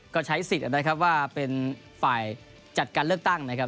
ก็ใช้สิทธิ์นะครับว่าเป็นฝ่ายจัดการเลือกตั้งนะครับ